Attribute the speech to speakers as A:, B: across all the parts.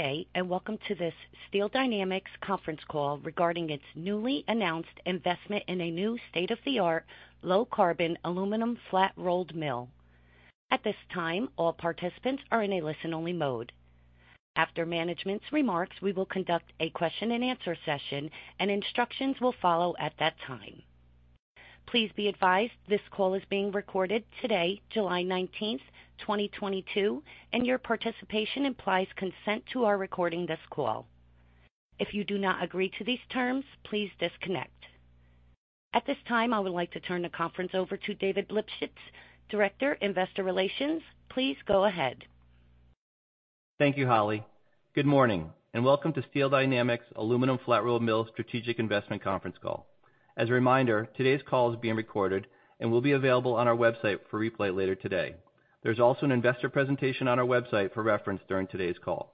A: Good day, and welcome to this Steel Dynamics Conference Call regarding its newly announced investment in a new state-of-the-art low-carbon aluminum flat-rolled mill. At this time, all participants are in a listen-only mode. After management's remarks, we will conduct a question-and-answer session, and instructions will follow at that time. Please be advised this call is being recorded today, July 19th, 2022, and your participation implies consent to our recording this call. If you do not agree to these terms, please disconnect. At this time, I would like to turn the conference over to David Lipschitz, Director, Investor Relations. Please go ahead.
B: Thank you, Holly. Good morning, and welcome to Steel Dynamics Aluminum Flat Roll Mill Strategic Investment Conference Call. As a reminder, today's call is being recorded and will be available on our website for replay later today. There's also an investor presentation on our website for reference during today's call.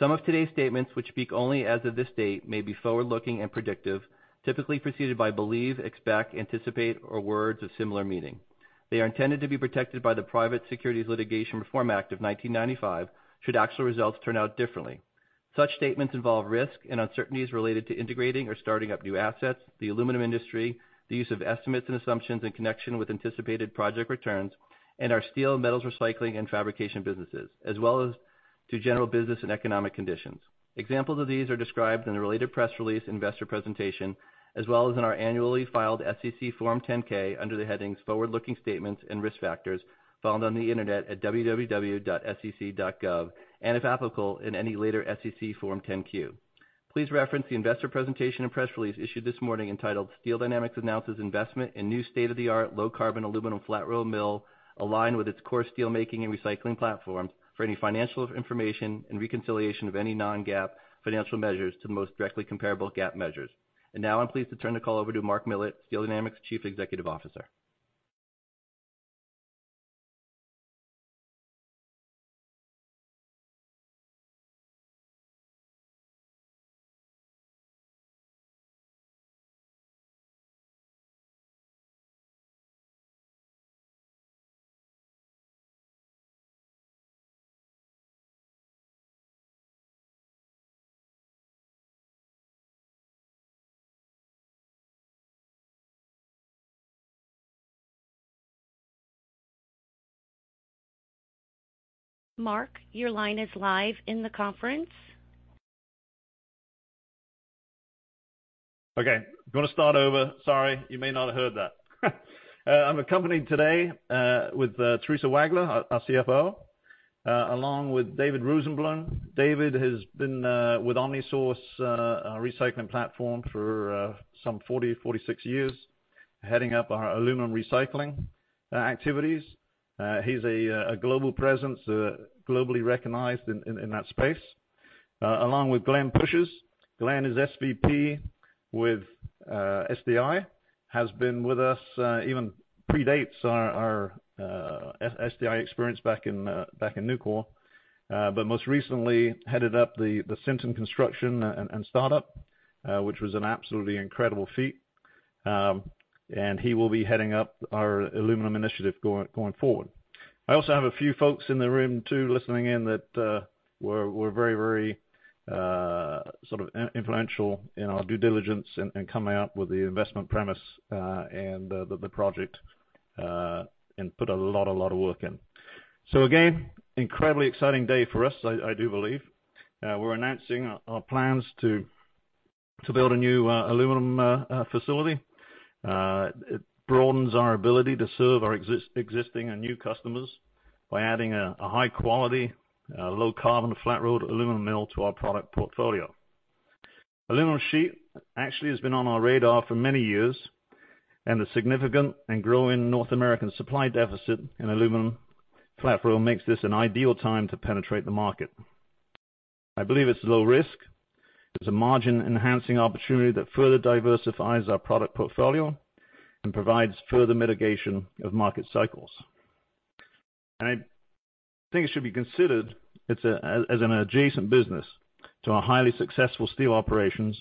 B: Some of today's statements, which speak only as of this date, may be forward-looking and predictive, typically preceded by believe, expect, anticipate, or words of similar meaning. They are intended to be protected by the Private Securities Litigation Reform Act of 1995 should actual results turn out differently. Such statements involve risk and uncertainties related to integrating or starting up new assets, the aluminum industry, the use of estimates and assumptions in connection with anticipated project returns, and our steel, metals recycling, and fabrication businesses, as well as to general business and economic conditions. Examples of these are described in the related press release, investor presentation, as well as in our annually filed SEC Form 10-K under the headings Forward-Looking Statements and Risk Factors, found on the Internet at www.sec.gov, and if applicable, in any later SEC Form 10-Q. Please reference the investor presentation and press release issued this morning entitled Steel Dynamics Announces Investment in New State-of-the-Art Low-Carbon Aluminum Flat Roll Mill Aligned With Its Core Steelmaking and Recycling Platforms for any financial information and reconciliation of any non-GAAP financial measures to the most directly comparable GAAP measures. Now I'm pleased to turn the call over to Mark Millett, Steel Dynamics Chief Executive Officer.
A: Mark, your line is live in the conference.
C: Okay. I'm gonna start over. Sorry, you may not have heard that. I'm accompanied today with Theresa Wagler, our CFO, along with David Rosenblum. David has been with OmniSource, our recycling platform, for some 46 years, heading up our aluminum recycling activities. He's a global presence, globally recognized in that space. Along with Glenn Pushis. Glenn is SVP with SDI. Has been with us, even predates our SDI experience back in Nucor. But most recently, headed up the Sinton construction and startup, which was an absolutely incredible feat. He will be heading up our aluminum initiative going forward. I also have a few folks in the room too listening in that were very sort of influential in our due diligence and coming up with the investment premise and the project and put a lot of work in. Again, incredibly exciting day for us, I do believe. We're announcing our plans to build a new aluminum facility. It broadens our ability to serve our existing and new customers by adding a high-quality low-carbon flat-rolled aluminum mill to our product portfolio. Aluminum sheet actually has been on our radar for many years, and the significant and growing North American supply deficit in aluminum flat-rolled makes this an ideal time to penetrate the market. I believe it's low risk. It's a margin-enhancing opportunity that further diversifies our product portfolio and provides further mitigation of market cycles. I think it should be considered as an adjacent business to our highly successful steel operations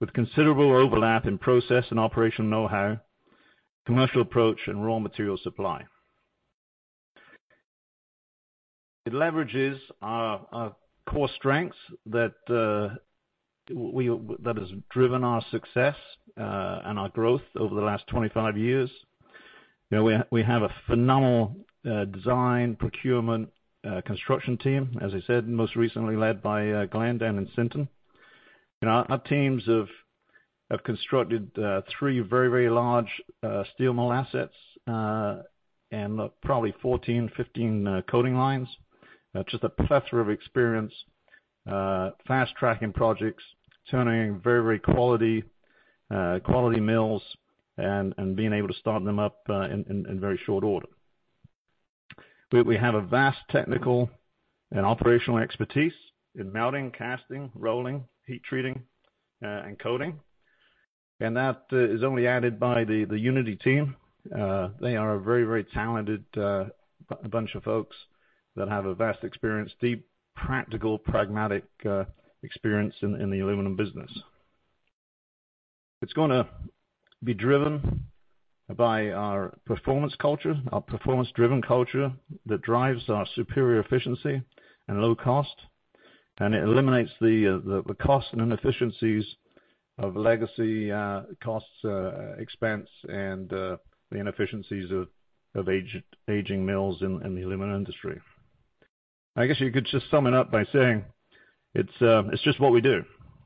C: with considerable overlap in process and operational know-how, commercial approach, and raw material supply. It leverages our core strengths that has driven our success and our growth over the last 25 years. You know, we have a phenomenal design, procurement, construction team, as I said, most recently led by Glenn down in Sinton. You know, our teams have constructed three very large steel mill assets and probably 14, 15 coating lines. Just a plethora of experience, fast-tracking projects, turning very quality mills and being able to start them up in very short order. We have a vast technical and operational expertise in melting, casting, rolling, heat treating, and coating. That is only added by the Unity team. They are a very talented bunch of folks that have a vast experience, deep, practical, pragmatic experience in the aluminum business. It's gonna be driven by our performance culture, our performance-driven culture that drives our superior efficiency and low cost, and it eliminates the cost and inefficiencies of legacy costs, expense and the inefficiencies of aging mills in the aluminum industry. I guess you could just sum it up by saying it's just what we do.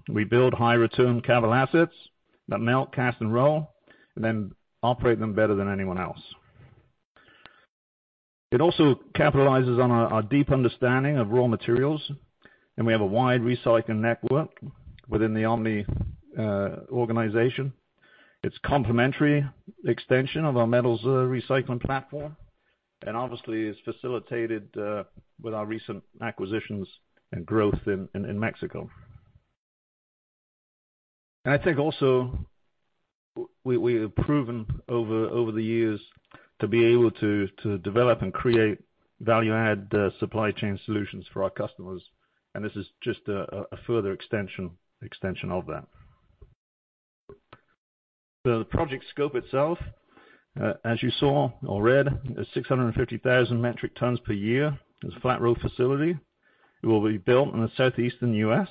C: We build high return capital assets that melt, cast, and roll, and then operate them better than anyone else. It also capitalizes on our deep understanding of raw materials, and we have a wide recycling network within the Omni organization. It's complementary extension of our metals recycling platform, and obviously is facilitated with our recent acquisitions and growth in Mexico. I think also we have proven over the years to be able to develop and create value add supply chain solutions for our customers, and this is just a further extension of that. The project scope itself, as you saw or read, is 650,000 metric tons per year. It's a flat-rolled facility. It will be built in the southeastern U.S.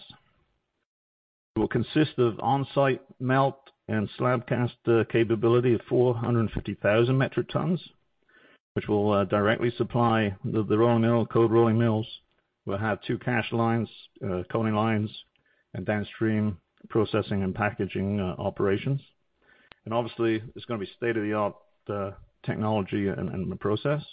C: It will consist of on-site melt and slab cast capability of 450,000 metric tons, which will directly supply the rolling mill, cold rolling mills. We'll have two casting lines, coating lines, and downstream processing and packaging operations. Obviously, it's gonna be state-of-the-art technology and process.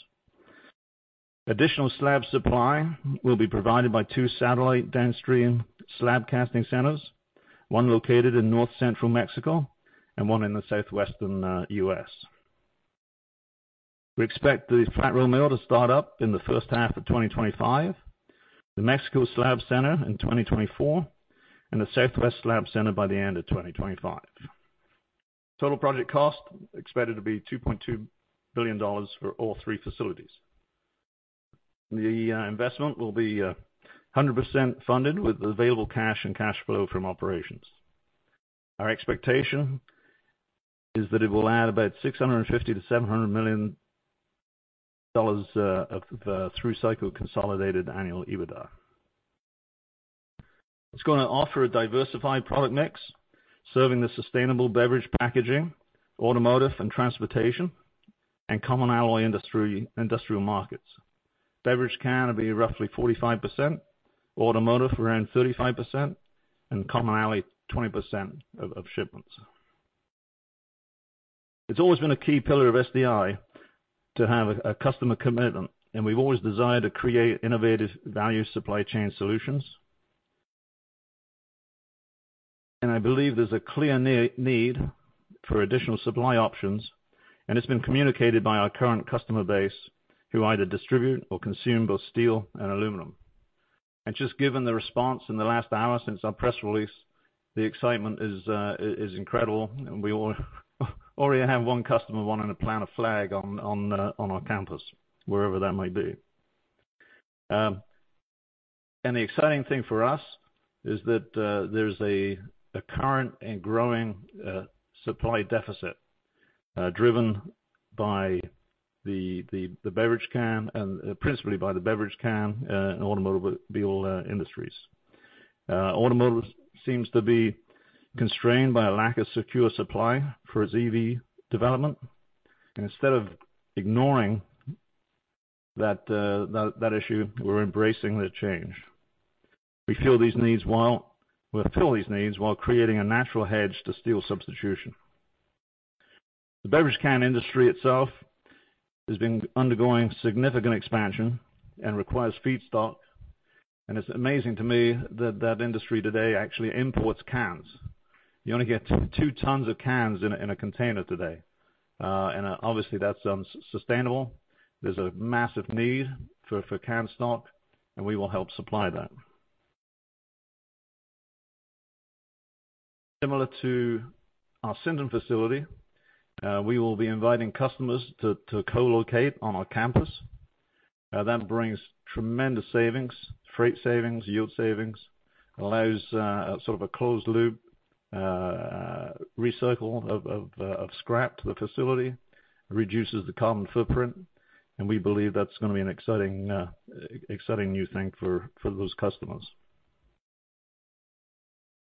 C: Additional slab supply will be provided by two satellite downstream slab casting centers, one located in north central Mexico and one in the southwestern U.S. We expect the flat roll mill to start up in the first half of 2025, the Mexico slab center in 2024, and the southwest slab center by the end of 2025. Total project cost expected to be $2.2 billion for all three facilities. The investment will be 100% funded with available cash and cash flow from operations. Our expectation is that it will add about $650 million-$700 million of through cycle consolidated annual EBITDA. It's gonna offer a diversified product mix serving the sustainable beverage packaging, automotive and transportation, and common alloy industrial markets. Beverage can will be roughly 45%, automotive around 35%, and common alloy, 20% of shipments. It's always been a key pillar of SDI to have a customer commitment, and we've always desired to create innovative value supply chain solutions. I believe there's a clear need for additional supply options, and it's been communicated by our current customer base who either distribute or consume both steel and aluminum. Just given the response in the last hour since our press release, the excitement is incredible, and we already have one customer wanting to plant a flag on our campus, wherever that might be. The exciting thing for us is that there's a current and growing supply deficit driven by the beverage can and principally by the beverage can and automobile industries. Automobiles seems to be constrained by a lack of secure supply for its EV development. Instead of ignoring that issue, we're embracing the change. We'll fill these needs while creating a natural hedge to steel substitution. The beverage can industry itself has been undergoing significant expansion and requires feedstock, and it's amazing to me that industry today actually imports cans. You only get 2 tons of cans in a container today. Obviously, that's unsustainable. There's a massive need for can stock, and we will help supply that. Similar to our Sinton facility, we will be inviting customers to co-locate on our campus. That brings tremendous savings, freight savings, yield savings. Allows sort of a closed loop recycle of scrap to the facility. Reduces the carbon footprint, and we believe that's gonna be an exciting new thing for those customers.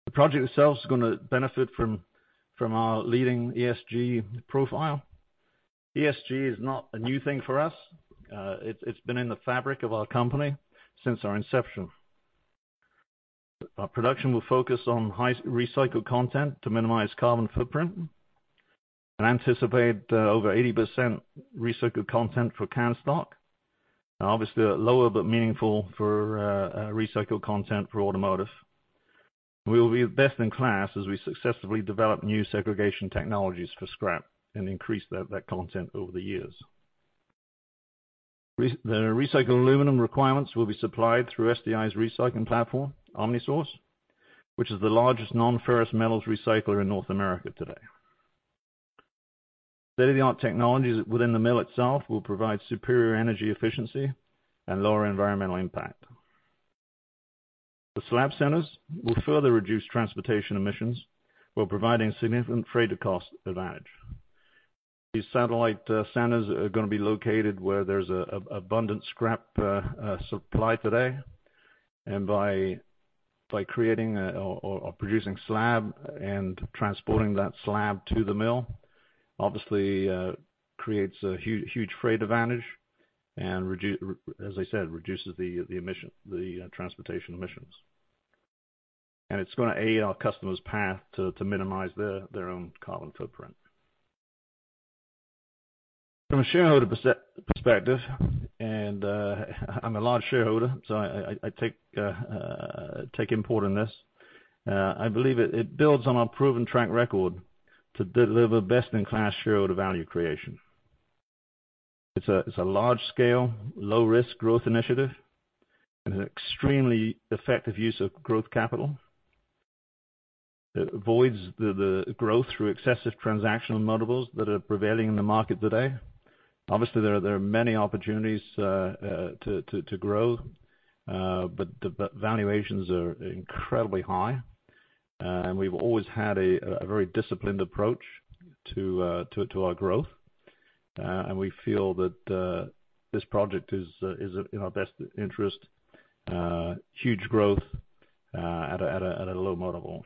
C: The project itself is gonna benefit from our leading ESG profile. ESG is not a new thing for us. It's been in the fabric of our company since our inception. Our production will focus on high recycled content to minimize carbon footprint and anticipate over 80% recycled content for can stock. Obviously, lower but meaningful for recycled content for automotive. We'll be best in class as we successfully develop new segregation technologies for scrap and increase that content over the years. The recycled aluminum requirements will be supplied through SDI's recycling platform, OmniSource, which is the largest nonferrous metals recycler in North America today. State-of-the-art technologies within the mill itself will provide superior energy efficiency and lower environmental impact. The slab centers will further reduce transportation emissions while providing significant freight cost advantage. These satellite centers are gonna be located where there's an abundant scrap supply today. By producing slab and transporting that slab to the mill, obviously, creates a huge freight advantage. As I said, reduces the emission, the transportation emissions. It's gonna aid our customers' path to minimize their own carbon footprint. From a shareholder perspective, I'm a large shareholder, so I take importance in this. I believe it builds on our proven track record to deliver best-in-class shareholder value creation. It's a large scale, low risk growth initiative, and an extremely effective use of growth capital. It avoids the growth through excessive transactional multiples that are prevailing in the market today. Obviously, there are many opportunities to grow, but the valuations are incredibly high. We've always had a very disciplined approach to our growth. We feel that this project is, you know, in the best interest, huge growth at a low multiple.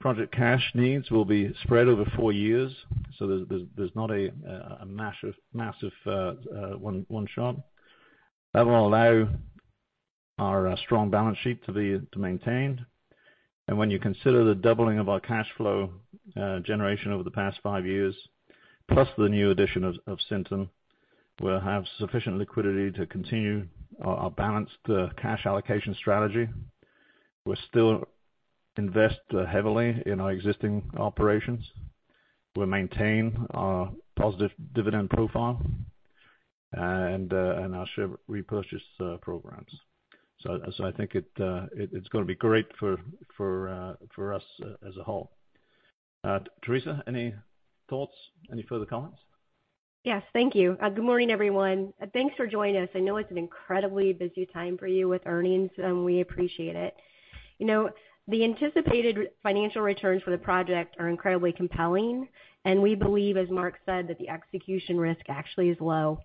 C: Project cash needs will be spread over four years, so there's not a massive one-shot. That will allow our strong balance sheet to maintain. When you consider the doubling of our cash flow generation over the past five years, plus the new addition of Sinton, we'll have sufficient liquidity to continue our balanced cash allocation strategy. We'll still invest heavily in our existing operations. We'll maintain our positive dividend profile and our share repurchase programs. I think it's gonna be great for us as a whole. Theresa, any thoughts? Any further comments?
D: Yes. Thank you. Good morning, everyone. Thanks for joining us. I know it's an incredibly busy time for you with earnings, and we appreciate it. You know, the anticipated financial returns for the project are incredibly compelling, and we believe, as Mark said, that the execution risk actually is low.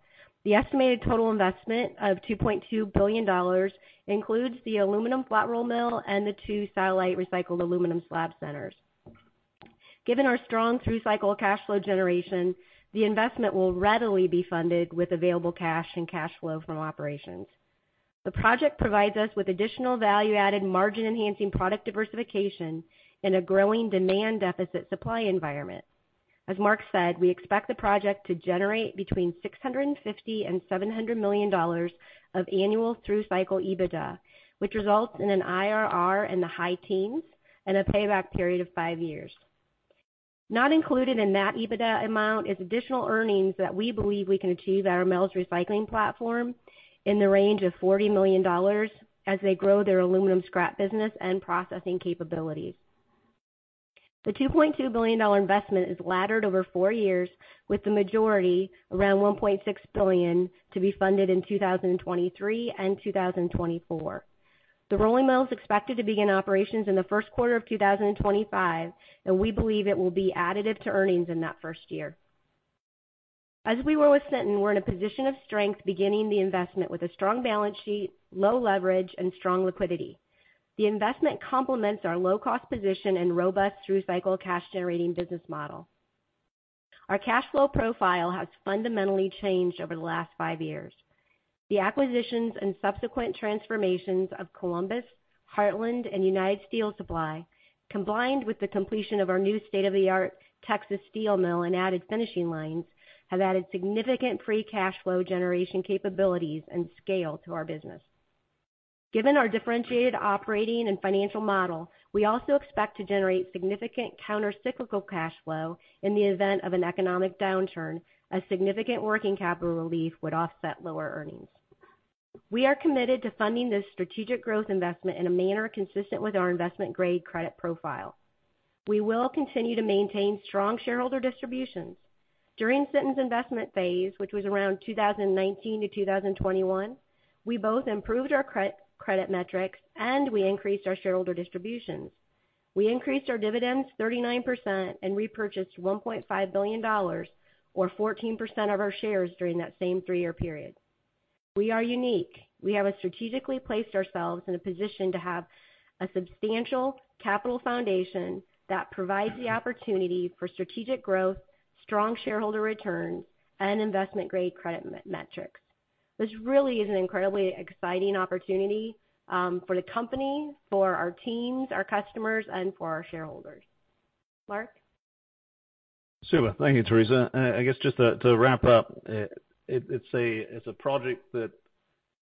D: The estimated total investment of $2.2 billion includes the aluminum flat roll mill and the two satellite recycled aluminum slab centers. Given our strong through-cycle cash flow generation, the investment will readily be funded with available cash and cash flow from operations. The project provides us with additional value-added margin-enhancing product diversification in a growing demand deficit supply environment. As Mark said, we expect the project to generate between $650 million and $700 million of annual through-cycle EBITDA, which results in an IRR in the high teens and a payback period of five years. Not included in that EBITDA amount is additional earnings that we believe we can achieve at our mills recycling platform in the range of $40 million as they grow their aluminum scrap business and processing capabilities. The $2.2 billion investment is laddered over four years, with the majority, around $1.6 billion, to be funded in 2023 and 2024. The rolling mill is expected to begin operations in the first quarter of 2025, and we believe it will be additive to earnings in that first year. As we were with Sinton, we're in a position of strength, beginning the investment with a strong balance sheet, low leverage, and strong liquidity. The investment complements our low-cost position and robust through-cycle cash-generating business model. Our cash flow profile has fundamentally changed over the last five years. The acquisitions and subsequent transformations of Columbus, Heartland, and United Steel Supply, combined with the completion of our new state-of-the-art Texas steel mill and added finishing lines, have added significant free cash flow generation capabilities and scale to our business. Given our differentiated operating and financial model, we also expect to generate significant counter-cyclical cash flow in the event of an economic downturn, as significant working capital relief would offset lower earnings. We are committed to funding this strategic growth investment in a manner consistent with our investment-grade credit profile. We will continue to maintain strong shareholder distributions. During Sinton's investment phase, which was around 2019 to 2021, we both improved our credit metrics, and we increased our shareholder distributions. We increased our dividends 39% and repurchased $1.5 billion or 14% of our shares during that same three-year period. We are unique. We have strategically placed ourselves in a position to have a substantial capital foundation that provides the opportunity for strategic growth, strong shareholder returns, and investment-grade credit metrics. This really is an incredibly exciting opportunity for the company, for our teams, our customers, and for our shareholders. Mark?
C: Super. Thank you, Theresa. I guess just to wrap up, it's a project that,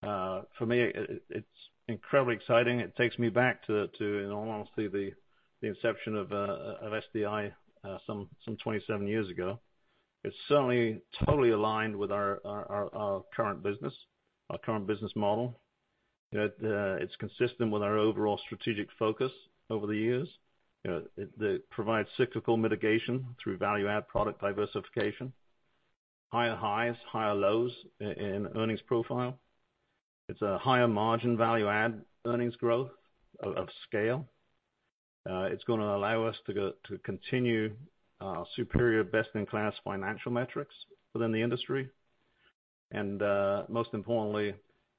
C: for me, it's incredibly exciting. It takes me back to, in all honesty, the inception of SDI, some 27 years ago. It's certainly totally aligned with our current business, our current business model. It's consistent with our overall strategic focus over the years. You know, it provides cyclical mitigation through value-add product diversification, higher highs, higher lows in earnings profile. It's a higher margin value add earnings growth of scale. It's gonna allow us to continue superior best-in-class financial metrics within the industry. Most importantly,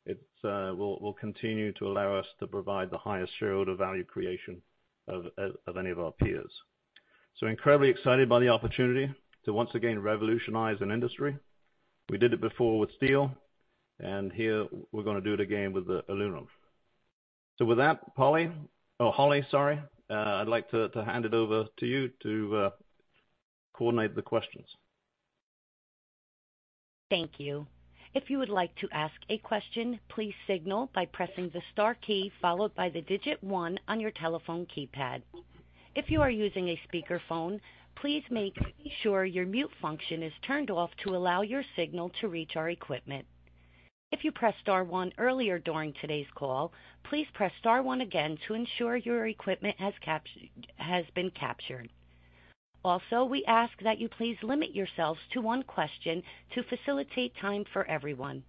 C: it will continue to allow us to provide the highest shareholder value creation of any of our peers. Incredibly excited by the opportunity to once again revolutionize an industry. We did it before with steel, and here we're gonna do it again with the aluminum. With that, Holly, or Holly, sorry, I'd like to hand it over to you to coordinate the questions.
A: Thank you. If you would like to ask a question, please signal by pressing the star key followed by the digit one on your telephone keypad. If you are using a speakerphone, please make sure your mute function is turned off to allow your signal to reach our equipment. If you pressed star one earlier during today's call, please press star one again to ensure your equipment has been captured. Also, we ask that you please limit yourselves to one question to facilitate time for everyone.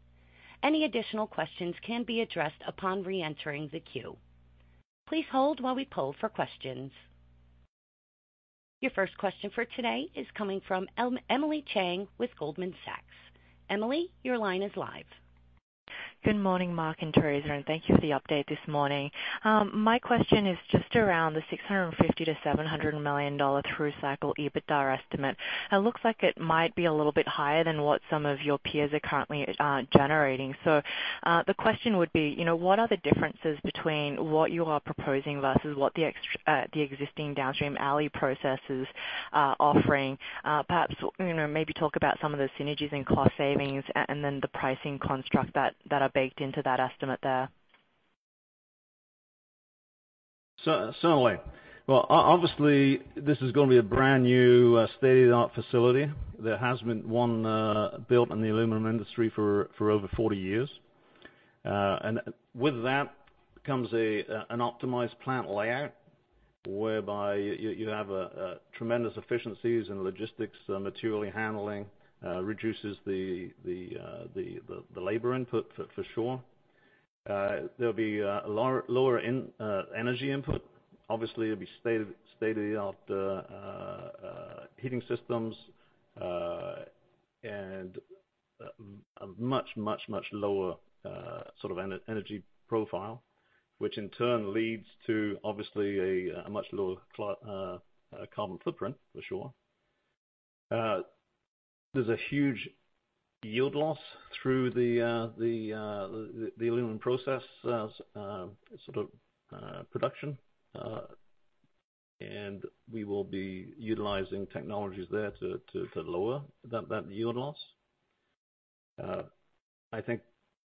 A: Any additional questions can be addressed upon reentering the queue. Please hold while we poll for questions. Your first question for today is coming from Emily Chieng with Goldman Sachs. Emily, your line is live.
E: Good morning, Mark and Theresa, and thank you for the update this morning. My question is just around the $650 million-$700 million through-cycle EBITDA estimate. It looks like it might be a little bit higher than what some of your peers are currently generating. The question would be, you know, what are the differences between what you are proposing versus what the existing downstream alloy processes are offering? Perhaps, you know, maybe talk about some of the synergies and cost savings and then the pricing construct that are baked into that estimate there.
C: Certainly. Well, obviously, this is gonna be a brand-new, state-of-the-art facility. There hasn't been one built in the aluminum industry for over 40 years. With that comes an optimized plant layout whereby you have tremendous efficiencies in logistics, material handling, reduces the labor input for sure. There'll be lower energy input. Obviously, it'll be state-of-the-art heating systems and a much lower energy profile, which in turn leads to obviously a much lower carbon footprint for sure. There's a huge yield loss through the aluminum process as sort of production. We will be utilizing technologies there to lower that yield loss. I think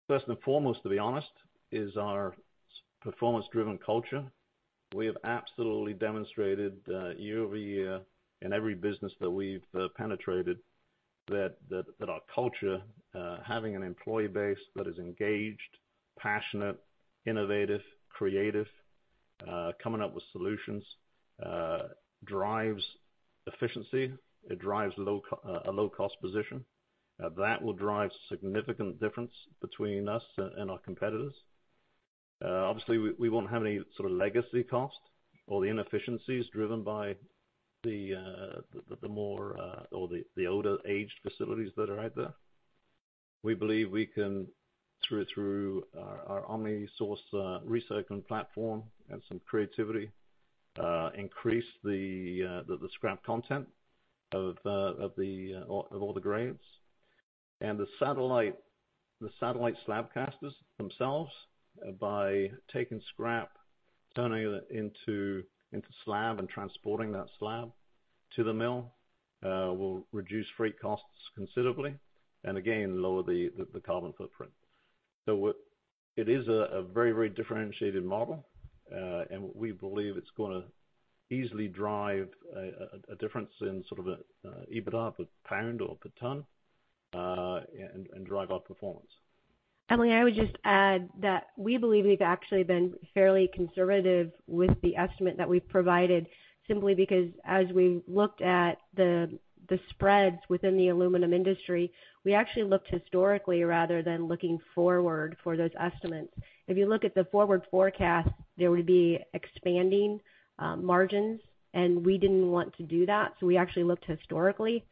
C: first and foremost, to be honest, is our performance-driven culture. We have absolutely demonstrated, year-over-year in every business that we've penetrated, that our culture, having an employee base that is engaged, passionate, innovative, creative, coming up with solutions, drives efficiency. It drives a low-cost position. Now, that will drive significant difference between us and our competitors. Obviously, we won't have any sort of legacy costs or the inefficiencies driven by the more or the older aged facilities that are out there. We believe we can, through our OmniSource recycling platform and some creativity, increase the scrap content of all the grades. The satellite slab casters themselves by taking scrap, turning it into slab and transporting that slab to the mill will reduce freight costs considerably, and again, lower the carbon footprint. It is a very differentiated model, and we believe it's gonna easily drive a difference in sort of a EBITDA per pound or per ton, and drive our performance.
D: Emily, I would just add that we believe we've actually been fairly conservative with the estimate that we've provided, simply because as we looked at the spreads within the aluminum industry, we actually looked historically rather than looking forward for those estimates. If you look at the forward forecast, there would be expanding margins, and we didn't want to do that. We actually looked historically.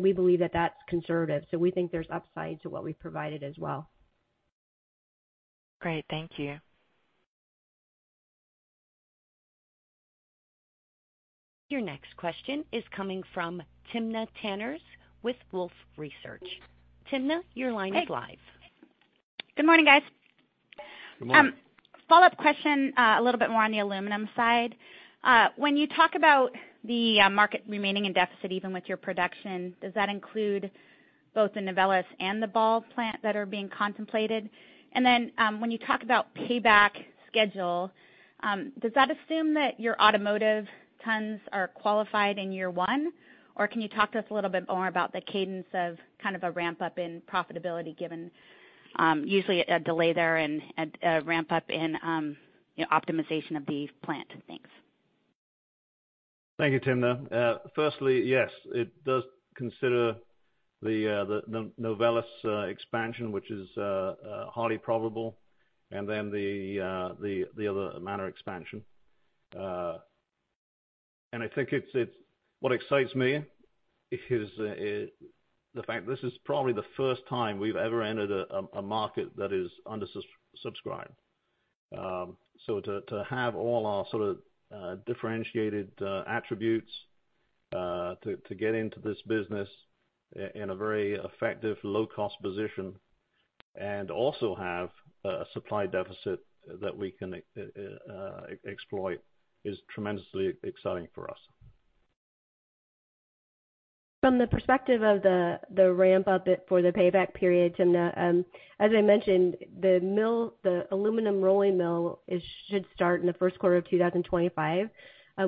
D: We believe that that's conservative, so we think there's upside to what we've provided as well.
E: Great. Thank you.
A: Your next question is coming from Timna Tanners with Wolfe Research. Timna, your line is live.
F: Good morning, guys.
C: Good morning.
F: Follow-up question, a little bit more on the aluminum side. When you talk about the market remaining in deficit even with your production, does that include both the Novelis and the Ball plant that are being contemplated? When you talk about payback schedule, does that assume that your automotive tons are qualified in year one? Or can you talk to us a little bit more about the cadence of kind of a ramp-up in profitability given usually a delay there and a ramp-up in you know, optimization of the plant? Thanks.
C: Thank you, Timna. Firstly, yes, it does consider the Novelis expansion, which is highly probable, and then the other major expansion. I think what excites me is the fact this is probably the first time we've ever entered a market that is undersubscribed. So to have all our sort of differentiated attributes to get into this business in a very effective low-cost position and also have a supply deficit that we can exploit is tremendously exciting for us.
D: From the perspective of the ramp up, it's for the payback period, Timna, as I mentioned, the mill, the aluminum rolling mill should start in the first quarter of 2025.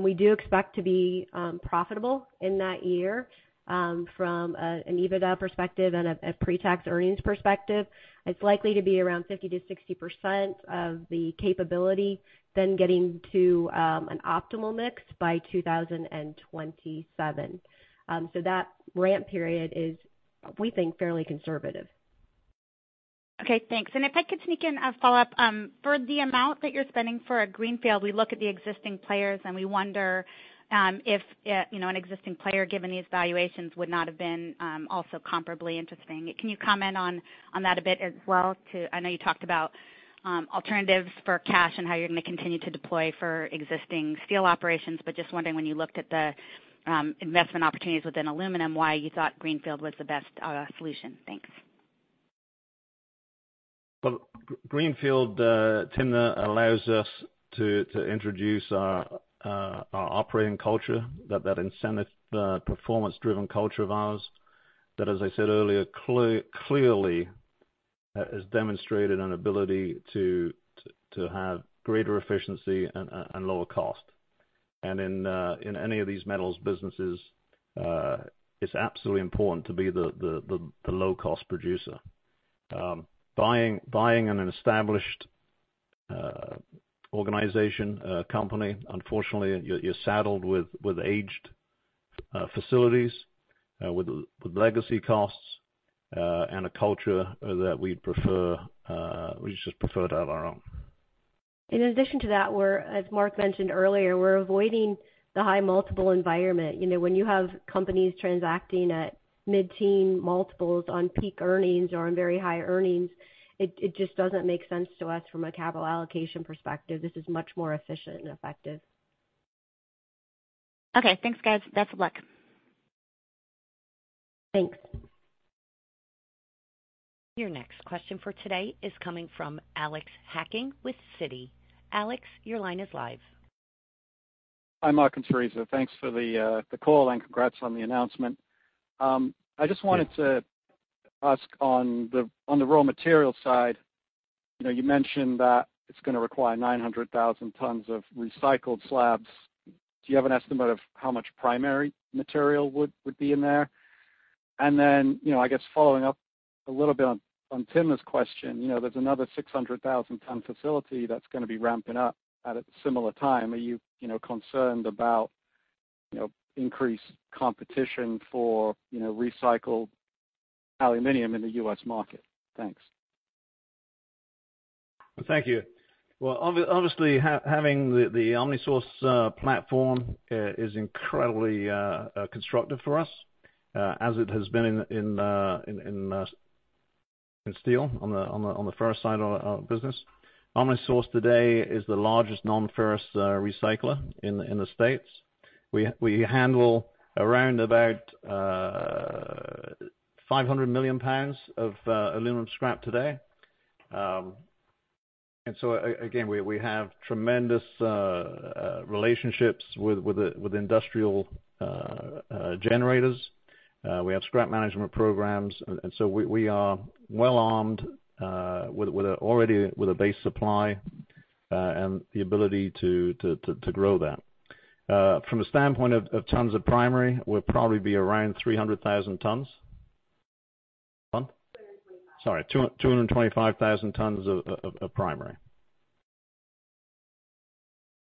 D: We do expect to be profitable in that year, from an EBITDA perspective and a pre-tax earnings perspective. It's likely to be around 50%-60% of the capability then getting to an optimal mix by 2027. That ramp period is, we think, fairly conservative.
F: Okay, thanks. If I could sneak in a follow-up. For the amount that you're spending for a greenfield, we look at the existing players, and we wonder, if you know, an existing player, given these valuations, would not have been also comparably interesting. Can you comment on that a bit as well. I know you talked about alternatives for cash and how you're gonna continue to deploy for existing steel operations, but just wondering when you looked at the investment opportunities within aluminum, why you thought greenfield was the best solution. Thanks.
C: Well, greenfield, Timna, allows us to introduce our operating culture, that incentive, performance-driven culture of ours that, as I said earlier, clearly has demonstrated an ability to have greater efficiency and lower cost. In any of these metals businesses, it's absolutely important to be the low-cost producer. Buying in an established organization, company, unfortunately, you're saddled with aged facilities, with legacy costs, and a culture that we'd prefer, we just prefer to have our own.
D: In addition to that we're, as Mark mentioned earlier, avoiding the high multiple environment. You know, when you have companies transacting at mid-teen multiples on peak earnings or on very high earnings, it just doesn't make sense to us from a capital allocation perspective. This is much more efficient and effective.
F: Okay. Thanks, guys. Best of luck.
D: Thanks.
A: Your next question for today is coming from Alex Hacking with Citi. Alex, your line is live.
G: Hi, Mark and Theresa. Thanks for the call, and congrats on the announcement. I just wanted to ask on the raw material side, you know, you mentioned that it's gonna require 900,000 tons of recycled slabs. Do you have an estimate of how much primary material would be in there? Then, you know, I guess following up a little bit on Timna's question, you know, there's another 600,000-ton facility that's gonna be ramping up at a similar time. Are you concerned about increased competition for recycled aluminum in the U.S. market? Thanks.
C: Thank you. Well, obviously, having the OmniSource platform is incredibly constructive for us, as it has been in steel on the ferrous side of business. OmniSource today is the largest nonferrous recycler in the States. We handle around about 500 million lbs of aluminum scrap today. Again, we have tremendous relationships with the industrial generators. We have scrap management programs. We are well armed already with a base supply and the ability to grow that. From a standpoint of tons of primary, we'll probably be around 300,000 tons a month.
D: 225.
C: Sorry, 225,000 tons of primary.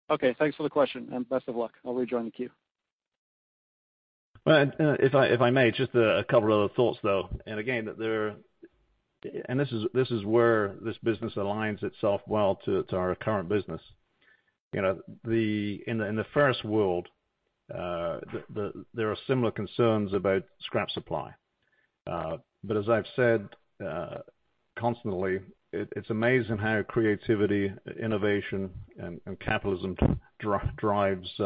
G: Okay, thanks for the question, and best of luck. I'll rejoin the queue.
C: Well, if I may, just a couple other thoughts, though. Again, this is where this business aligns itself well to our current business. You know, in the ferrous world, there are similar concerns about scrap supply. As I've said constantly, it's amazing how creativity, innovation, and capitalism drives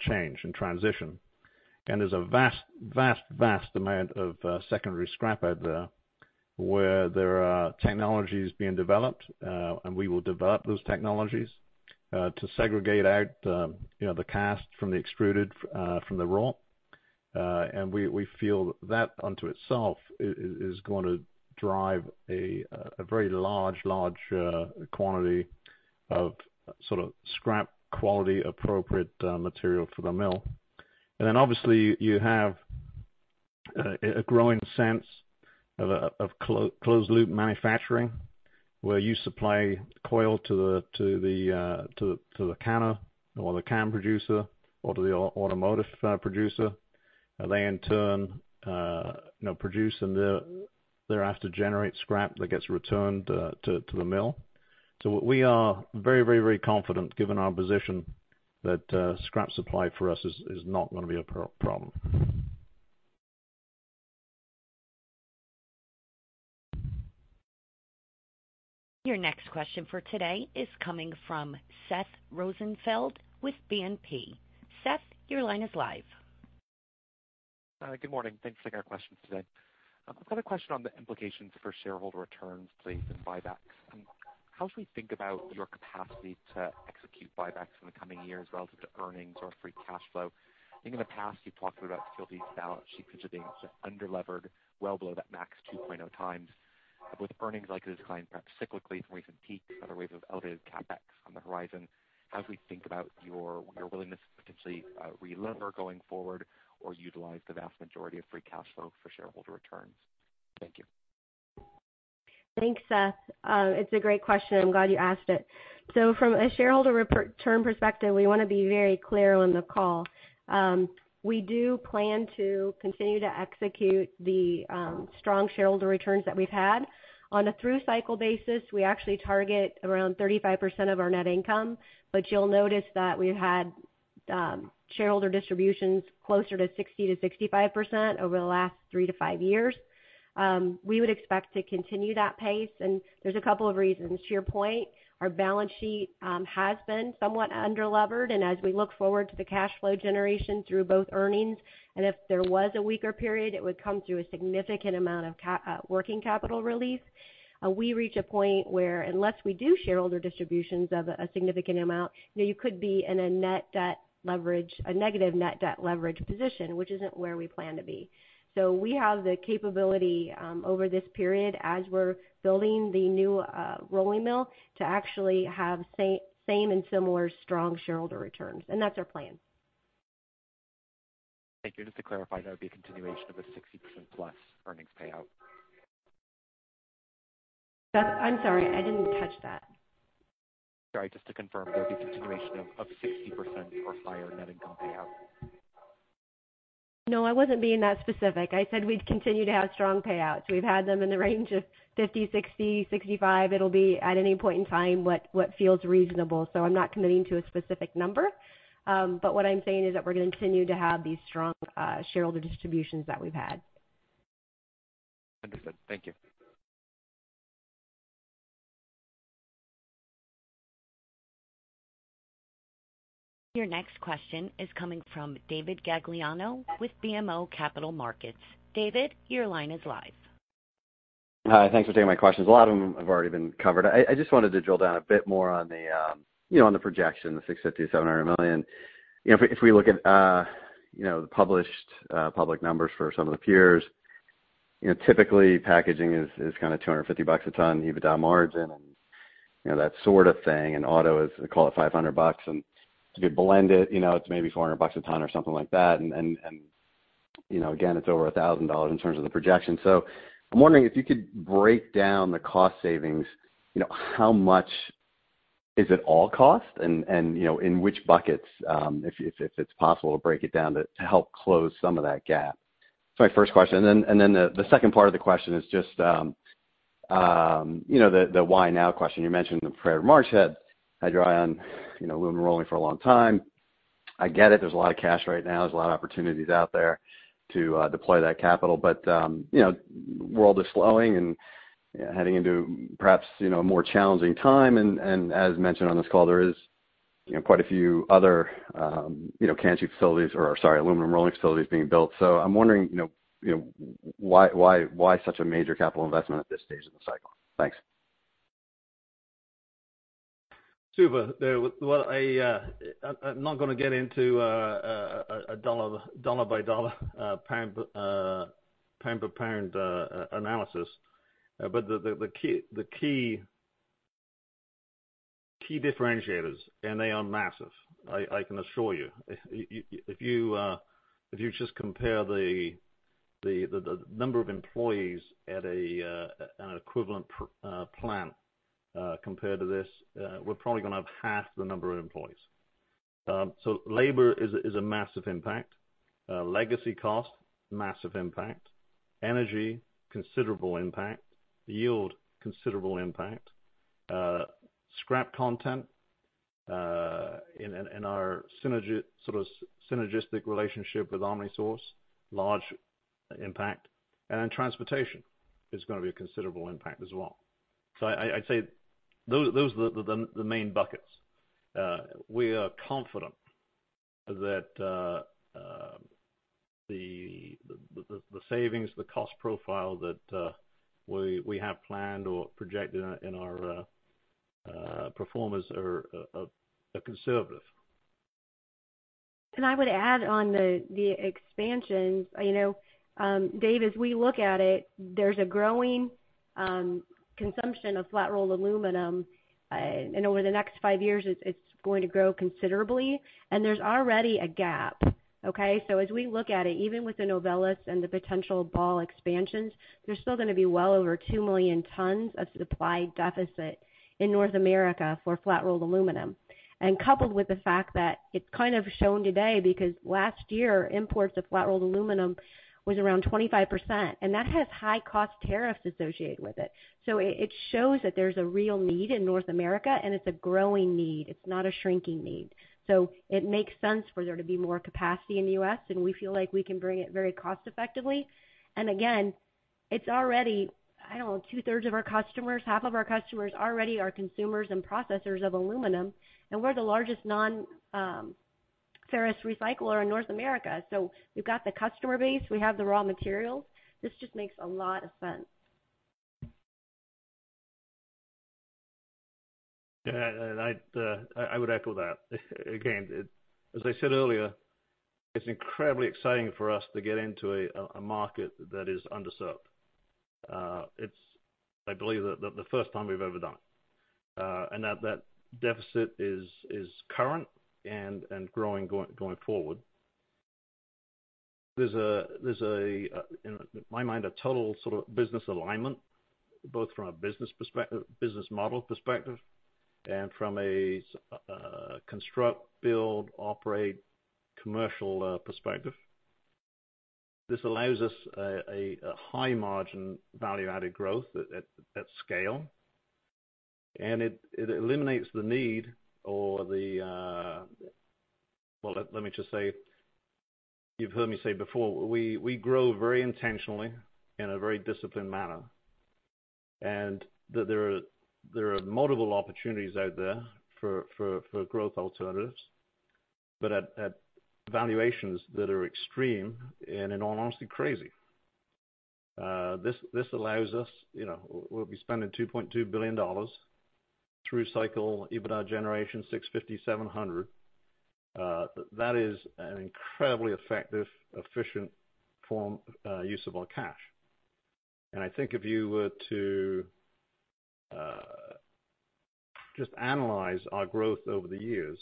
C: change and transition. There's a vast amount of secondary scrap out there where there are technologies being developed, and we will develop those technologies to segregate out the, you know, the cast from the extruded from the raw. We feel that unto itself is gonna drive a very large quantity of sort of scrap quality appropriate material for the mill. Obviously you have a growing sense of closed loop manufacturing, where you supply coil to the canner or the can producer or to the automotive producer. They in turn, you know, produce and thereafter generate scrap that gets returned to the mill. We are very confident given our position that scrap supply for us is not gonna be a problem.
A: Your next question for today is coming from Seth Rosenfeld with BNP. Seth, your line is live.
H: Good morning. Thanks for taking our questions today. I've got a question on the implications for shareholder returns please, and buybacks. How should we think about your capacity to execute buybacks in the coming years relative to earnings or free cash flow? I think in the past, you've talked about STLD's balance sheet contributing to underlevered, well below that max 2.0x. But with earnings likely to decline, perhaps cyclically from recent peaks, by way of elevated CapEx on the horizon, how should we think about your willingness to potentially relever going forward or utilize the vast majority of free cash flow for shareholder returns? Thank you.
D: Thanks, Seth. It's a great question. I'm glad you asked it. From a shareholder return perspective, we wanna be very clear on the call. We do plan to continue to execute the strong shareholder returns that we've had. On a through-the-cycle basis, we actually target around 35% of our net income, but you'll notice that we've had shareholder distributions closer to 60%-65% over the last three to five years. We would expect to continue that pace, and there's a couple of reasons. To your point, our balance sheet has been somewhat underlevered, and as we look forward to the cash flow generation through both earnings, and if there was a weaker period, it would come through a significant amount of working capital relief. We reach a point where unless we do shareholder distributions of a significant amount, you know, you could be in a net debt leverage, a negative net debt leverage position, which isn't where we plan to be. We have the capability over this period as we're building the new rolling mill to actually have same and similar strong shareholder returns. That's our plan.
H: Thank you. Just to clarify, that would be a continuation of a 60%+ earnings payout.
D: Seth, I'm sorry, I didn't catch that.
H: Sorry, just to confirm, there would be continuation of 60% or higher net income payout?
D: No, I wasn't being that specific. I said we'd continue to have strong payouts. We've had them in the range of 50, 60, 65. It'll be at any point in time what feels reasonable. I'm not committing to a specific number. But what I'm saying is that we're gonna continue to have these strong shareholder distributions that we've had.
H: Understood. Thank you.
A: Your next question is coming from David Gagliano with BMO Capital Markets. David, your line is live.
I: Hi. Thanks for taking my questions. A lot of them have already been covered. I just wanted to drill down a bit more on the, you know, on the projection, the $650 million-$700 million. You know, if we look at, you know, the published, public numbers for some of the peers, you know, typically packaging is kind of $250 a ton, EBITDA margin and, you know, that sort of thing. Auto is, call it $500. If you blend it, you know, it's maybe $400 a ton or something like that. You know, again, it's over $1,000 in terms of the projection. I'm wondering if you could break down the cost savings, you know, how much is it all cost and, you know, in which buckets, if it's possible to break it down to help close some of that gap. That's my first question. The second part of the question is just, you know, the why now question. You mentioned the prior March had Hydro on, you know, aluminum rolling for a long time. I get it. There's a lot of cash right now. There's a lot of opportunities out there to deploy that capital. You know, world is slowing and, you know, heading into perhaps, you know, a more challenging time. as mentioned on this call, there is you know quite a few other you know aluminum rolling facilities being built. I'm wondering you know why such a major capital investment at this stage in the cycle? Thanks.
C: Super. Well, I'm not gonna get into a dollar by dollar, pound per pound analysis. The key differentiators, and they are massive, I can assure you. If you just compare the number of employees at an equivalent plant compared to this, we're probably gonna have half the number of employees. Labor is a massive impact. Legacy cost, massive impact. Energy, considerable impact. Yield, considerable impact. Scrap content, in our synergy, sort of synergistic relationship with OmniSource, large impact. Then transportation is gonna be a considerable impact as well. I'd say those are the main buckets. We are confident that the savings, the cost profile that we have planned or projected in our performance are conservative.
D: I would add on the expansion. You know, Dave, as we look at it, there's a growing consumption of flat-rolled aluminum, and over the next five years, it's going to grow considerably. There's already a gap, okay? As we look at it, even with the Novelis and the potential Ball expansions, there's still gonna be well over 2 million tons of supply deficit in North America for flat-rolled aluminum. Coupled with the fact that it's kind of shown today because last year imports of flat-rolled aluminum was around 25%, and that has high cost tariffs associated with it. It shows that there's a real need in North America, and it's a growing need. It's not a shrinking need. It makes sense for there to be more capacity in the U.S., and we feel like we can bring it very cost-effectively. Again, it's already, I don't know, two-thirds of our customers, half of our customers already are consumers and processors of aluminum, and we're the largest nonferrous recycler in North America. We've got the customer base. We have the raw materials. This just makes a lot of sense.
C: Yeah. I would echo that. Again, as I said earlier, it's incredibly exciting for us to get into a market that is underserved. It's, I believe, the first time we've ever done it. And that deficit is current and growing, going forward. There's, in my mind, a total sort of business alignment, both from a business perspective, business model perspective and from a construct, build, operate commercial perspective. This allows us a high margin value-added growth at scale. It eliminates the need or the. Well, let me just say. You've heard me say before, we grow very intentionally in a very disciplined manner, and that there are multiple opportunities out there for growth alternatives, but at valuations that are extreme and in all honesty, crazy. This allows us, you know, we'll be spending $2.2 billion through-cycle EBITDA generation $650-$700. That is an incredibly effective, efficient form use of our cash. I think if you were to just analyze our growth over the years,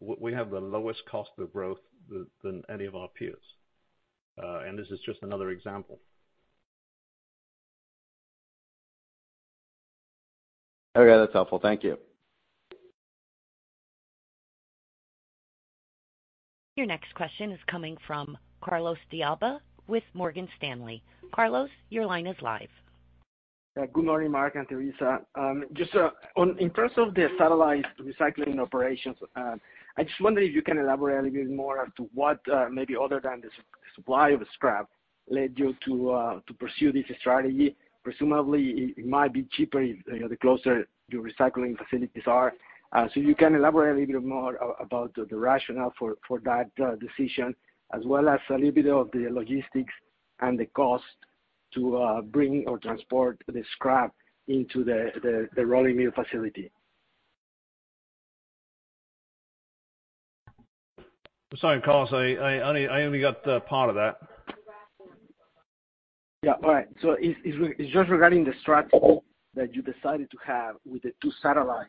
C: we have the lowest cost of growth than any of our peers. This is just another example.
I: Okay. That's helpful. Thank you.
A: Your next question is coming from Carlos de Alba with Morgan Stanley. Carlos, your line is live.
J: Yeah. Good morning, Mark and Theresa. Just on in terms of the satellite recycling operations, I just wonder if you can elaborate a little bit more as to what, maybe other than the supply of scrap led you to pursue this strategy. Presumably it might be cheaper, you know, the closer your recycling facilities are. You can elaborate a little bit more about the rationale for that decision as well as a little bit of the logistics and the cost to bring or transport the scrap into the rolling mill facility.
C: Sorry, Carlos. I only got part of that.
J: It's just regarding the strategy that you decided to have with the two satellite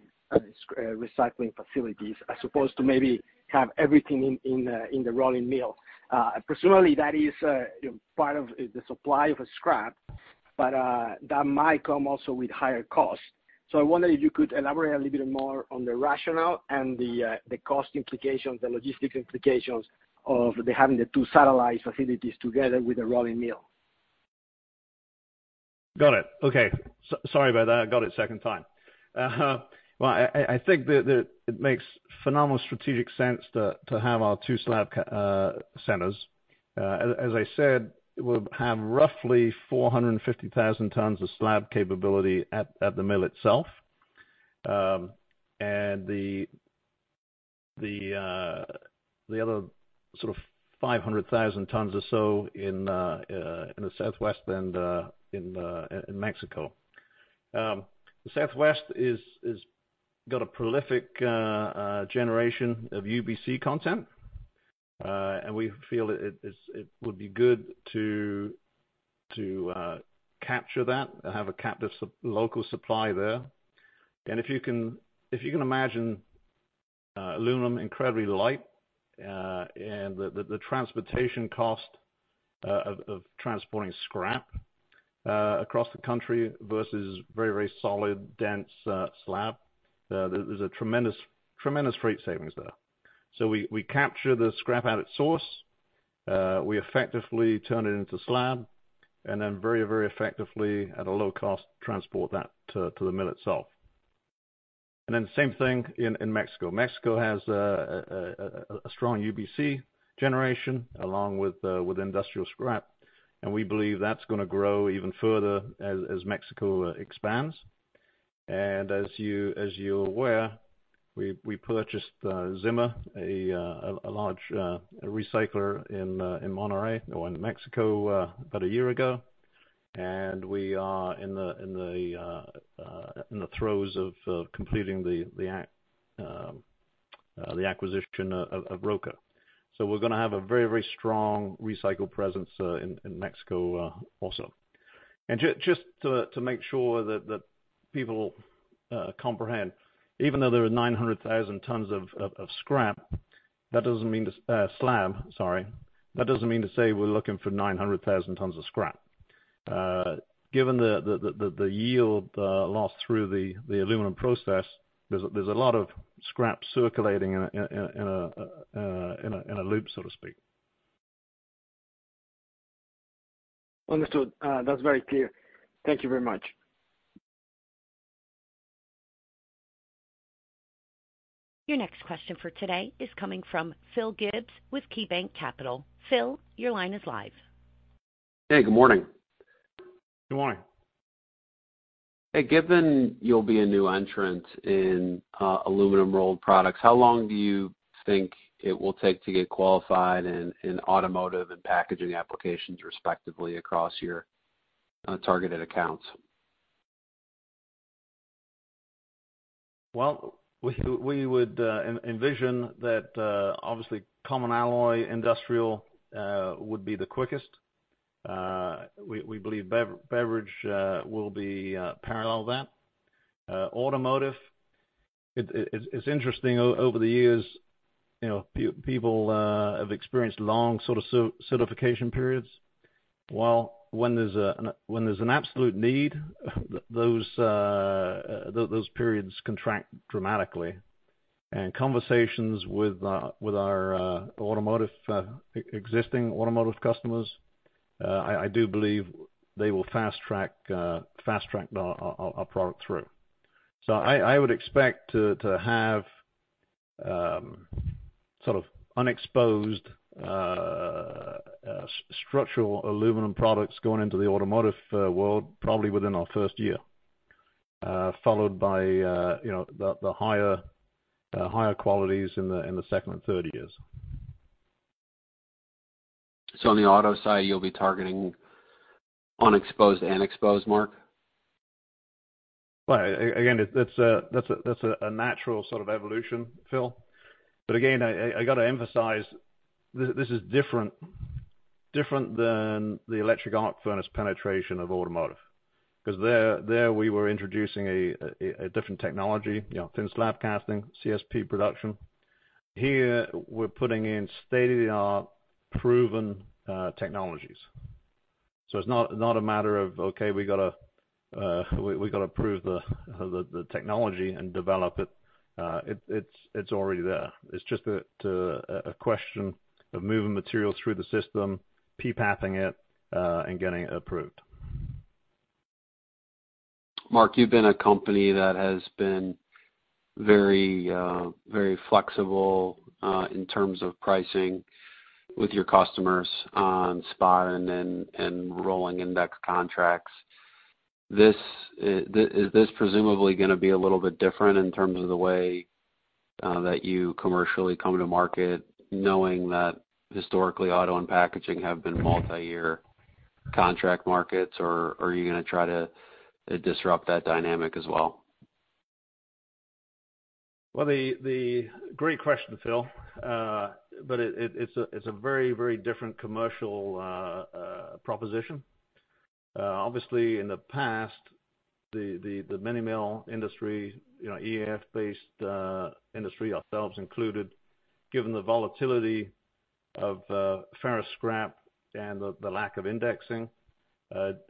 J: recycling facilities, as opposed to maybe have everything in the rolling mill. Presumably, that is, you know, part of the supply of scrap, but that might come also with higher costs. I wonder if you could elaborate a little bit more on the rationale and the cost implications, the logistic implications of having the two satellite facilities together with the rolling mill.
C: Got it. Okay. Sorry about that. I got it the second time. Well, I think that it makes phenomenal strategic sense to have our two slab centers. As I said, we'll have roughly 450,000 tons of slab capability at the mill itself. The other sort of 500,000 tons or so in the Southwest and in Mexico. The Southwest is got a prolific generation of UBC content, and we feel it would be good to capture that, have a captive local supply there. If you can imagine aluminum, incredibly light, and the transportation cost of transporting scrap across the country versus very solid, dense slab, there's a tremendous freight savings there. We capture the scrap at its source. We effectively turn it into slab, and then very effectively, at a low cost, transport that to the mill itself. Same thing in Mexico. Mexico has a strong UBC generation along with industrial scrap. We believe that's gonna grow even further as Mexico expands. As you're aware, we purchased Zimmer, a large recycler in Monterrey, Mexico, about a year ago. We are in the throes of completing the acquisition of ROCA. We're gonna have a very strong recycling presence in Mexico also. Just to make sure that people comprehend, even though there are 900,000 tons of scrap, that doesn't mean to say we're looking for 900,000 tons of scrap. Given the yield lost through the aluminum process, there's a lot of scrap circulating in a loop, so to speak.
J: Understood. That's very clear. Thank you very much.
A: Your next question for today is coming from Philip Gibbs with KeyBanc Capital Markets. Philip, your line is live.
K: Hey, good morning.
C: Good morning.
K: Hey, given you'll be a new entrant in aluminum rolled products, how long do you think it will take to get qualified in automotive and packaging applications, respectively, across your targeted accounts?
C: Well, we would envision that obviously common alloy industrial would be the quickest. We believe beverage will be parallel that. Automotive, it's interesting over the years, you know, people have experienced long sort of certification periods. While when there's an absolute need, those periods contract dramatically. Conversations with our existing automotive customers, I do believe they will fast track our product through. I would expect to have sort of unexposed structural aluminum products going into the automotive world probably within our first year, followed by you know the higher qualities in the second and third years.
K: On the auto side, you'll be targeting unexposed and exposed, Mark?
C: Well, again, that's a natural sort of evolution, Phil. Again, I gotta emphasize, this is different than the electric arc furnace penetration of automotive. 'Cause there we were introducing a different technology, you know, thin slab casting, CSP production. Here, we're putting in state-of-the-art proven technologies. It's not a matter of, okay, we gotta prove the technology and develop it. It's already there. It's just a question of moving materials through the system, pathing it, and getting it approved.
K: Mark, you've been a company that has been very flexible in terms of pricing with your customers on spot and then rolling index contracts. Is this presumably gonna be a little bit different in terms of the way that you commercially come to market knowing that historically auto and packaging have been multi-year contract markets? Or are you gonna try to disrupt that dynamic as well?
C: Well, the great question, Phil. It's a very, very different commercial proposition. Obviously, in the past, the mini mill industry, you know, EAF-based industry, ourselves included, given the volatility of ferrous scrap and the lack of indexing,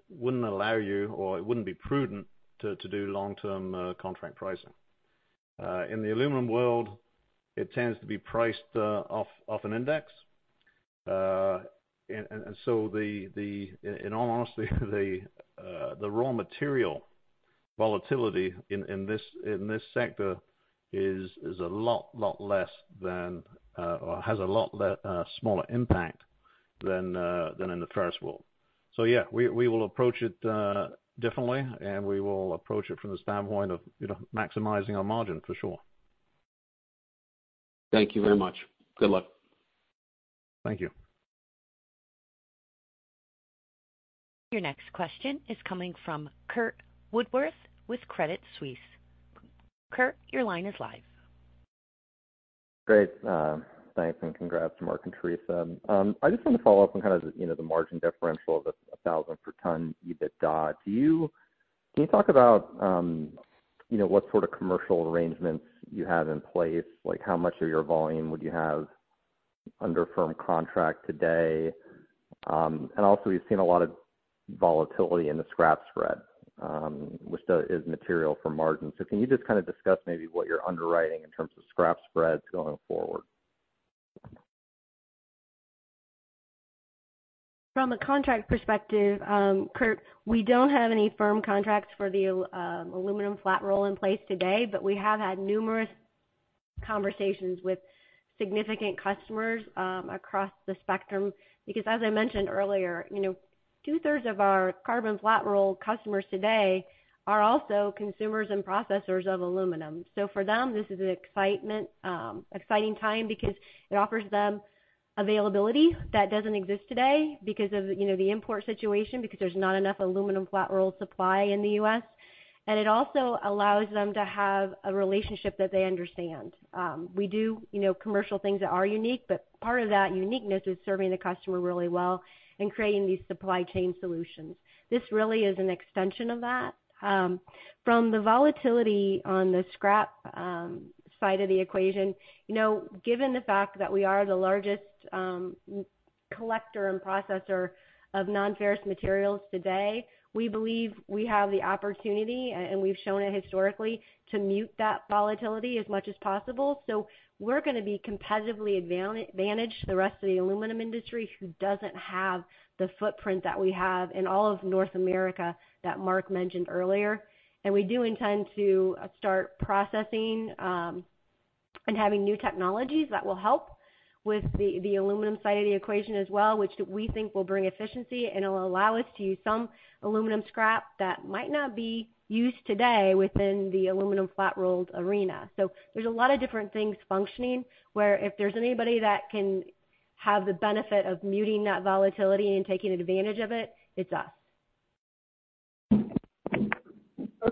C: wouldn't allow you, or it wouldn't be prudent to do long-term contract pricing. In the aluminum world, it tends to be priced off an index. In all honesty, the raw material volatility in this sector is a lot less than, or has a smaller impact than, in the ferrous world. Yeah, we will approach it differently, and we will approach it from the standpoint of, you know, maximizing our margin, for sure.
K: Thank you very much. Good luck.
C: Thank you.
A: Your next question is coming from Curt Woodworth with Credit Suisse. Curt, your line is live.
L: Great. Thanks, and congrats to Mark and Theresa. I just want to follow up on kind of, you know, the margin differential of 1,000 per ton EBITDA. Can you talk about, you know, what sort of commercial arrangements you have in place? Like, how much of your volume would you have under firm contract today? Also, we've seen a lot of volatility in the scrap spread, which is material for margin. Can you just kind of discuss maybe what you're underwriting in terms of scrap spreads going forward?
D: From a contract perspective, Curt, we don't have any firm contracts for the aluminum flat roll in place today, but we have had numerous conversations with significant customers across the spectrum. Because as I mentioned earlier, you know, two-thirds of our carbon flat roll customers today are also consumers and processors of aluminum. So for them, this is an exciting time because it offers them availability that doesn't exist today because of, you know, the import situation, because there's not enough aluminum flat roll supply in the U.S., and it also allows them to have a relationship that they understand. We do, you know, commercial things that are unique, but part of that uniqueness is serving the customer really well and creating these supply chain solutions. This really is an extension of that. From the volatility on the scrap side of the equation, you know, given the fact that we are the largest collector and processor of non-ferrous materials today, we believe we have the opportunity, and we've shown it historically, to mute that volatility as much as possible. We're gonna be competitively advantaged to the rest of the aluminum industry who doesn't have the footprint that we have in all of North America that Mark mentioned earlier. We do intend to start processing and having new technologies that will help with the aluminum side of the equation as well, which we think will bring efficiency and it'll allow us to use some aluminum scrap that might not be used today within the aluminum flat-rolled area. There's a lot of different things functioning where if there's anybody that can have the benefit of muting that volatility and taking advantage of it's us.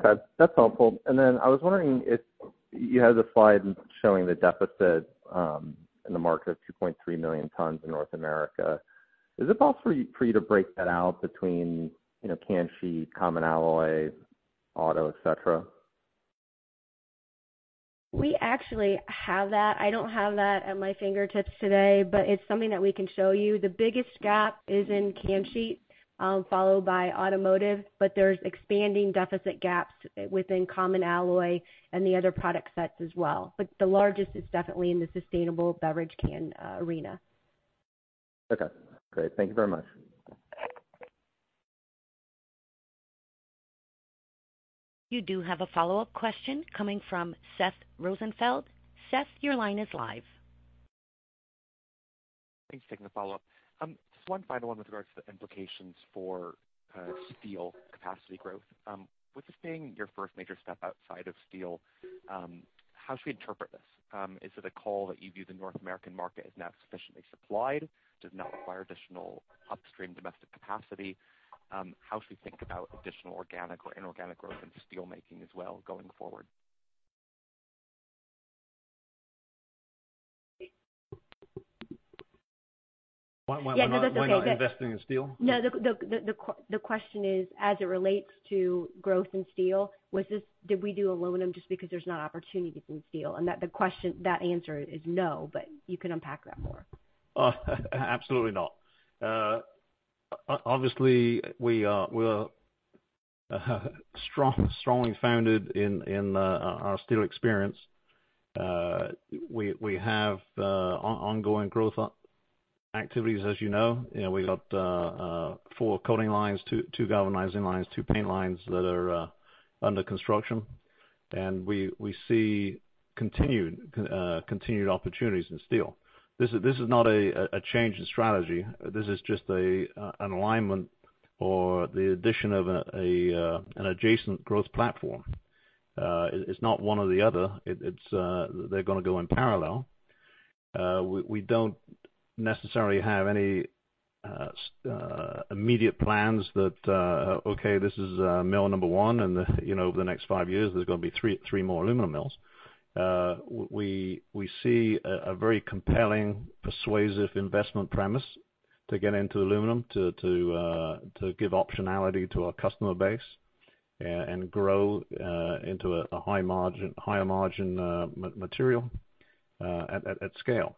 L: Okay, that's helpful. I was wondering if you had the slide showing the deficit in the market of 2.3 million tons in North America. Is it possible for you to break that out between, you know, canned sheet, common alloy, auto, et cetera?
D: We actually have that. I don't have that at my fingertips today, but it's something that we can show you. The biggest gap is in canned sheet, followed by automotive, but there's expanding deficit gaps within common alloy and the other product sets as well. The largest is definitely in the sustainable beverage can arena.
L: Okay, great. Thank you very much.
A: You do have a follow-up question coming from Seth Rosenfeld. Seth, your line is live.
H: Thanks for taking the follow-up. Just one final one with regards to the implications for, steel capacity growth. With this being your first major step outside of steel, how should we interpret this? Is it a call that you view the North American market as now sufficiently supplied, does not require additional upstream domestic capacity? How should we think about additional organic or inorganic growth in steel making as well going forward?
D: Yeah, because that's not.
C: Why not investing in steel?
D: No. The question is, as it relates to growth in steel, did we do aluminum just because there's no opportunity in steel? To the question, the answer is no, but you can unpack that more.
C: Absolutely not. Obviously, we are strongly founded in our steel experience. We have ongoing growth activities, as you know. You know, we got four coating lines, two galvanizing lines, two paint lines that are under construction. We see continued opportunities in steel. This is not a change in strategy. This is just an alignment or the addition of an adjacent growth platform. It's not one or the other. It's they're gonna go in parallel. We don't necessarily have any immediate plans. This is mill number one and, you know, over the next five years, there's gonna be three more aluminum mills. We see a very compelling, persuasive investment premise to get into aluminum to give optionality to our customer base and grow into a high-margin, higher-margin material at scale.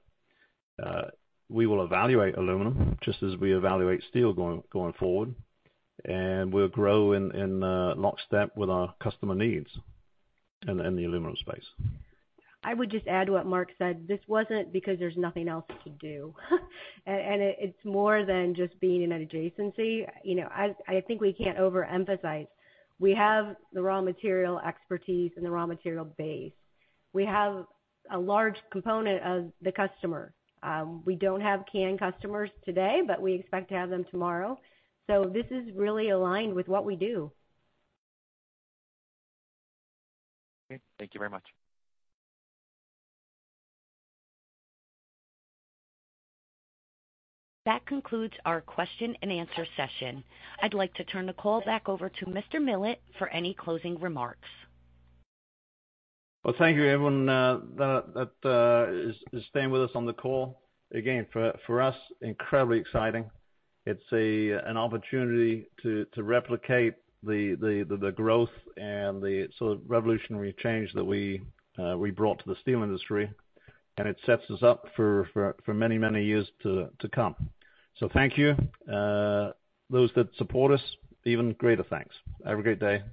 C: We will evaluate aluminum just as we evaluate steel going forward, and we'll grow in lockstep with our customer needs in the aluminum space.
D: I would just add to what Mark said. This wasn't because there's nothing else to do. It's more than just being an adjacency. You know, I think we can't overemphasize. We have the raw material expertise and the raw material base. We have a large component of the customer. We don't have can customers today, but we expect to have them tomorrow. This is really aligned with what we do.
H: Okay. Thank you very much.
A: That concludes our question and answer session. I'd like to turn the call back over to Mr. Millett for any closing remarks.
C: Well, thank you everyone, that is staying with us on the call. Again, for us, incredibly exciting. It's an opportunity to replicate the growth and the sort of revolutionary change that we brought to the steel industry, and it sets us up for many years to come. Thank you. Those that support us, even greater thanks. Have a great day.